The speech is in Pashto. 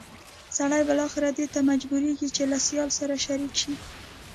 سړی بالاخره دې ته مجبورېږي چې له سیال سره شریک شي.